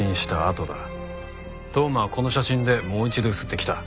当麻はこの写真でもう一度ゆすってきた。